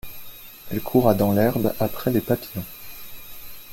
Elle courra dans l’herbe après les papillons.